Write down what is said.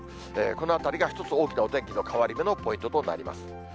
このあたりが一つ、大きなお天気の変わり目のポイントとなります。